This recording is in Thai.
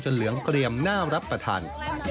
เหลืองเกลี่ยมน่ารับประทาน